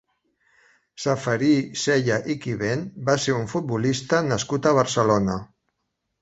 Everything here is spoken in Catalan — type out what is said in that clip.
Ceferí Cella i Quivent va ser un futbolista nascut a Barcelona.